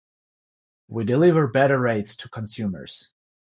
We deliver better rates to consumers